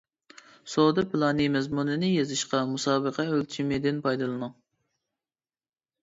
-سودا پىلانى مەزمۇنىنى يېزىشتا «مۇسابىقە ئۆلچىمى» دىن پايدىلىنىڭ.